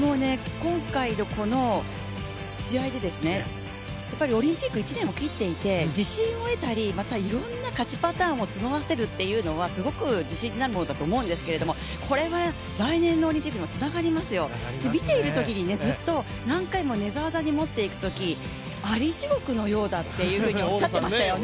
今回のこの試合でオリンピック１年を切っていて自信を得たり、またいろんな勝ちパターン積もらせるというのは、これは来年のオリンピックにつながりますよ、見ているときにずっと何回も寝技にもっていくとき、あり地獄のようだっておっしゃってましたよね。